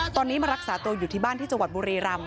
ตอนนี้มารักษาตัวอยู่ที่บ้านที่จังหวัดบุรีรำ